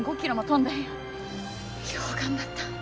よう頑張った。